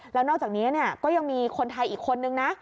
แล้วนอกจากนี้ก็ยังมีคนไทยอีกคนนึงนะ